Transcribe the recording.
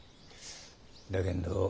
だけんど